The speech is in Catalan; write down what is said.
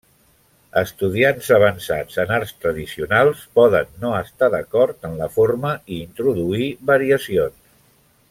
Estudiants avançats en Arts Tradicionals poden no estar d'acord en la forma i introduir variacions.